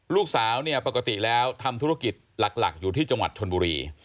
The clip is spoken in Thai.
ลูกสาวเนี่ยปกติแล้วทำธุรกิจหลักอยู่ที่จังหวัดชนบุรี